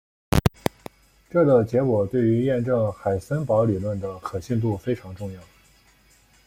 这个结果对于验证海森堡理论的可信度非常重要。